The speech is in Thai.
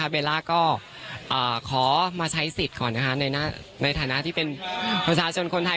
โปรดติดตามต่อไป